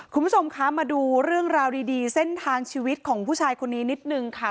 คุณผู้ชมคะมาดูเรื่องราวดีเส้นทางชีวิตของผู้ชายคนนี้นิดนึงค่ะ